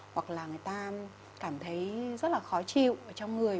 hoặc là người ta cảm thấy rất là khó chịu trong người